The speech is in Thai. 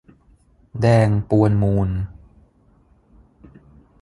แดง ปวนมูล